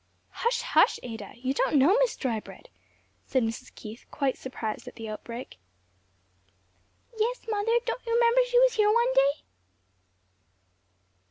"Hush, hush, Ada! you don't know Miss Drybread," said Mrs. Keith, quite surprised at the outbreak. "Yes, mother; don't you remember she was here one day?"